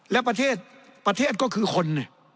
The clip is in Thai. แล้วประเทศก็คือคน